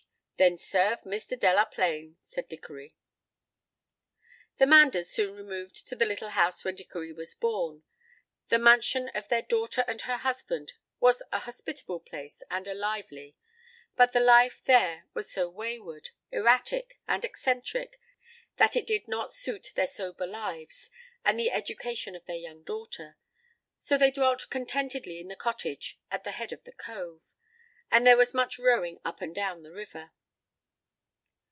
"Then serve Mr. Delaplaine," said Dickory. The Manders soon removed to the little house where Dickory was born. The mansion of their daughter and her husband was a hospitable place and a lively, but the life there was so wayward, erratic, and eccentric that it did not suit their sober lives and the education of their young daughter. So they dwelt contentedly in the cottage at the head of the cove, and there was much rowing up and down the river.